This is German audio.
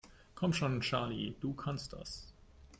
Komm schon, Charlie, du kannst das!